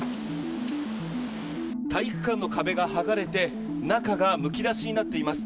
体育館の壁が剥がれて中がむき出しになっています。